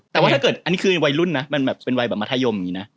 แต่ว่าถ้าเกิดอันนี้คือวัยรุ่นนะมันแบบเป็นวัยแบบมัธยมอย่างนี้นะ